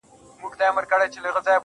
هغه مړ سو اوس يې ښخ كړلو~